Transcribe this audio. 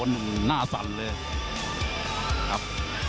นี่โดนหน้าสั่นเลยครับ